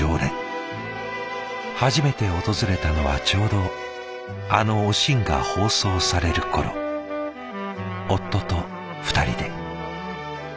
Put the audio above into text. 初めて訪れたのはちょうどあの「おしん」が放送される頃夫と２人で。